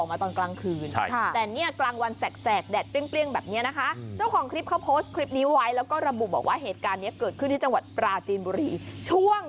เกิดขึ้นที่จังหวัดปราจีนบุรีในเวลาเที่ยงครึ่ง